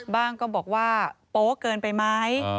ก็บอกว่าโป๊ะเกินไปไหม